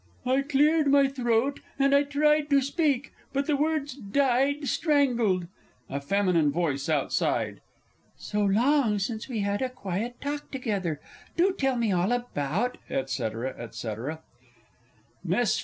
I cleared my throat and I tried to speak but the words died strangled A FEMININE VOICE OUTSIDE. So long since we had a quiet talk together! Do tell me all about, &c., &c. MISS F.